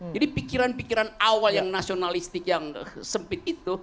jadi pikiran pikiran awal yang nasionalistik yang sempit itu